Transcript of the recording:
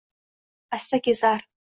Asta kezar